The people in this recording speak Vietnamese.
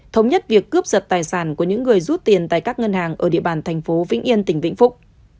thống nhất việc cướp sật tài sản của những người rút tiền tại các ngân hàng ở địa bàn tp vĩnh yên tỉnh vĩnh phúc